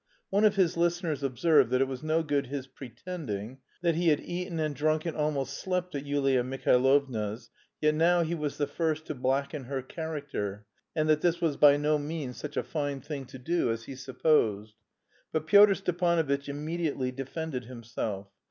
One of his listeners observed that it was no good his "pretending"; that he had eaten and drunk and almost slept at Yulia Mihailovna's, yet now he was the first to blacken her character, and that this was by no means such a fine thing to do as he supposed. But Pyotr Stepanovitch immediately defended himself.